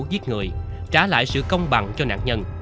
giết người trả lại sự công bằng cho nạn nhân